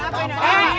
ada apa ini